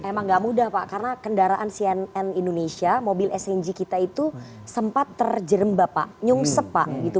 emang gak mudah pak karena kendaraan cnn indonesia mobil sng kita itu sempat terjerembab pak nyungsep pak gitu